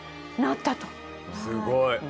すごい。